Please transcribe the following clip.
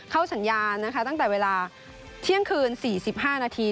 เข้าสัญญาณตั้งแต่เวลาเที่ยงคืน๔๕นาที